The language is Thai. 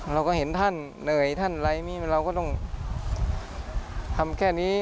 เราก็เห็นท่านเหนื่อยท่านอะไรนี่เราก็ต้องทำแค่นี้